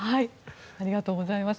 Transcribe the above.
ありがとうございます。